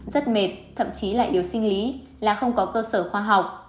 rất mệt thậm chí là yếu sinh lý là không có cơ sở khoa học